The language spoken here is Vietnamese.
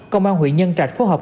công an huyện nhân trạch phối hợp